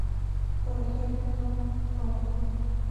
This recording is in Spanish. Por ejemplo, "Run!